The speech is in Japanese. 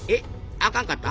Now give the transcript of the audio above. あかんかった？